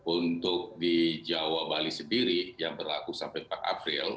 untuk di jawa bali sendiri yang berlaku sampai empat april